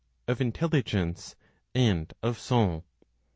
Of Intelligence and of Soul.